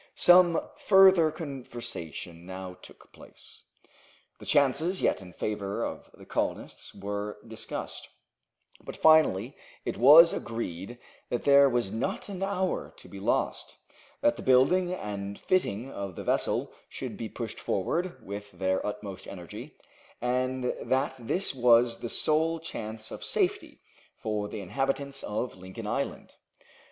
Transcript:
Some further conversation now took place. The chances yet in favor of the colonists were discussed; but finally it was agreed that there was not an hour to be lost, that the building and fitting of the vessel should be pushed forward with their utmost energy, and that this was the sole chance of safety for the inhabitants of Lincoln Island.